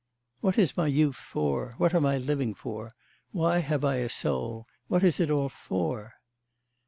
'What is my youth for, what am I living for, why have I a soul, what is it all for?